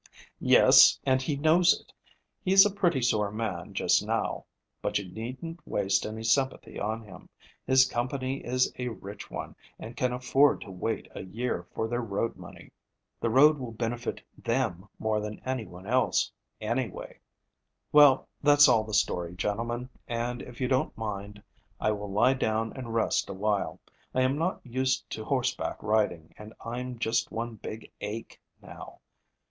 "Yes, and he knows it. He's a pretty sore man just now. But you needn't waste any sympathy on him. His company is a rich one and can afford to wait a year for their road money. The road will benefit them more than anyone else, anyway. Well, that's all the story, gentlemen, and, if you don't mind, I will lie down and rest a while. I am not used to horseback riding, and I'm just one big ache now.